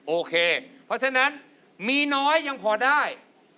โอเคเพราะฉะนั้นมีน้อยยังพอได้